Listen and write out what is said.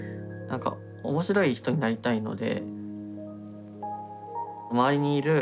面白い人になりたいので。